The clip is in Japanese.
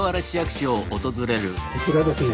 こちらですね